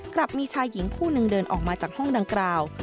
กลับมีชายหญิงคู่หนึ่งเดินออกมาจากห้องดังกล่าว